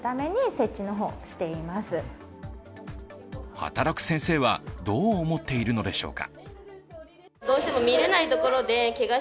働く先生はどう思っているのでしょうか。